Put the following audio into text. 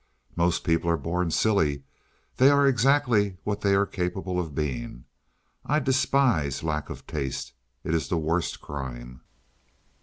"Most people are born silly. They are exactly what they are capable of being. I despise lack of taste; it is the worst crime."